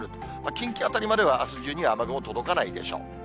近畿辺りまでは、あす中に雨雲届かないでしょう。